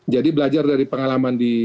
jadi belajar dari pengalaman di